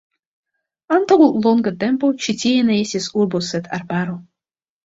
Antaŭ longa tempo ĉi tie ne estis urbo sed arbaro.